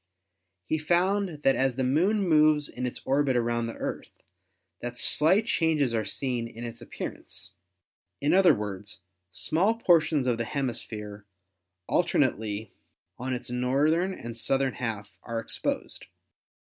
He found that as the Moon moves in its orbit around the Earth that slight changes are seen in its appearance. In other words, small portions of the hemisphere alternately on its north ern and southern half are exposed.